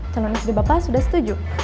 calon istri bapak sudah setuju